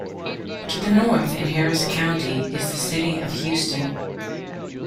To the north in Harris County is the city of Houston.